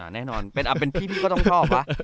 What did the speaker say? แน่นอนเป็นพี่พี่ก็ต้องชอบวะ